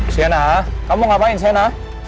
sena kamu ngapain sena